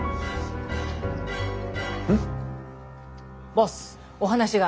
ボスお話が。